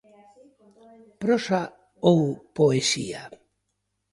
Prosa ou poesía?